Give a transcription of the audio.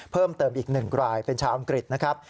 เพิ่มเติมอีก๑รายเป็นชาวอังกฤษนะครับ